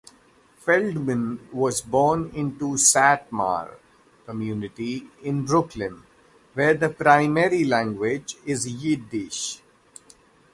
Feldman was born into Satmar community in Brooklyn where the primary language is Yiddish.